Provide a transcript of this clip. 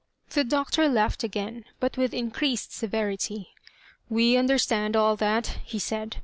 The Doctor laughed again, but with increased severity. '*We understand all that," he said.